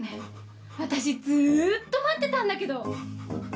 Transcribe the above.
私ずーっと待ってたんだけど！？